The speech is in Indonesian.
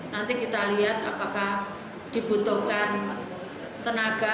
nanti kita lihat apakah dibutuhkan tenaga